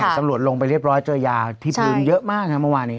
ตำรวจลงไปเรียบร้อยเจอยาที่พื้นเยอะมากนะเมื่อวานนี้